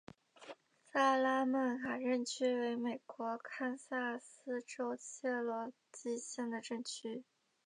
萨拉曼卡镇区为美国堪萨斯州切罗基县的镇区。